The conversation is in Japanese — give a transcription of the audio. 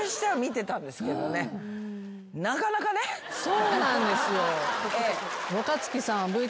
そうなんですよ。